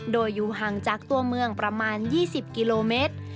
โดยอยู่ห่างจากตัวเมืองประมาณ๒๐กิโลเมตร